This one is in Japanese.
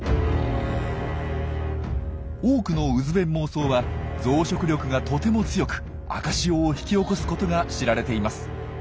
多くの渦鞭毛藻は増殖力がとても強く赤潮を引き起こすことが知られています。